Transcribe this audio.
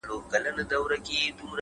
چي زه تورنه ته تورن سې گرانه ،